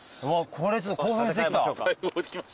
これちょっと興奮してきた。